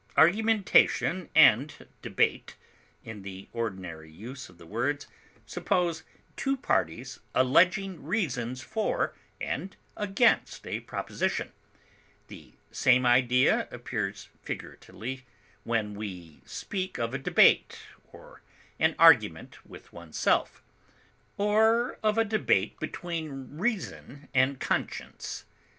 Argumentation and debate, in the ordinary use of the words, suppose two parties alleging reasons for and against a proposition; the same idea appears figuratively when we speak of a debate or an argument with oneself, or of a debate between reason and conscience.